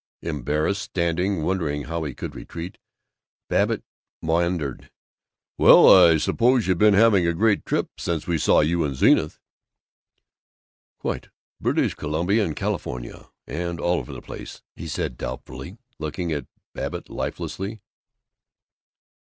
Embarrassed, standing, wondering how he could retreat, Babbitt maundered, "Well, I suppose you been having a great trip since we saw you in Zenith." "Quite. British Columbia and California and all over the place," he said doubtfully, looking at Babbitt lifelessly.